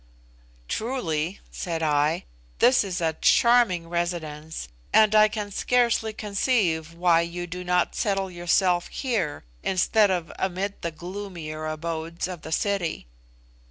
"Truly," said I, "this is a charming residence, and I can scarcely conceive why you do not settle yourself here instead of amid the gloomier abodes of the city."